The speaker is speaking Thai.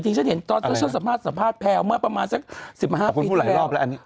จริงฉันเห็นตอนสัมภาษณ์สัมภาษณ์แพลวเมื่อประมาณสัก๑๕ปีแล้ว